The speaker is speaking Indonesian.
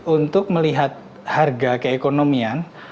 untuk melihat harga keekonomian